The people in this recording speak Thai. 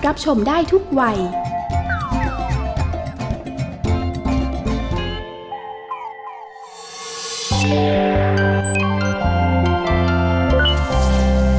ร้องได้ให้ร้าน